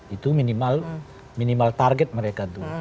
itu minimal target mereka tuh